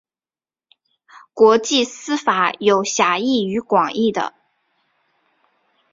国际私法有狭义与广义的。